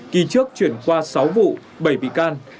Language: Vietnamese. kỳ trước chuyển qua sáu vụ bảy bị can